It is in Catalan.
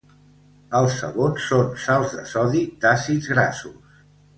Els sabons són sals de sodi d'àcids grassos.